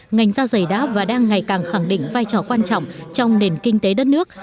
ngành da giày đã và đang ngày càng khẳng định vai trò quan trọng trong nền kinh tế đất nước